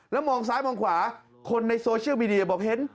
แล้วมองซ้ายมองขวาคนในโซเชียลมีเดียบอกเห็น